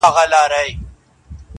پر هوښار طوطي بې حده په غوسه سو-